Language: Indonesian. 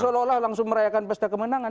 seolah olah langsung merayakan pesta kemenangan